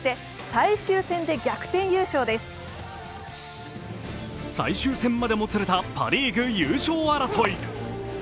最終戦までもつれたパ・リーグ優勝争い。